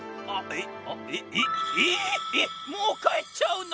えっもうかえっちゃうの？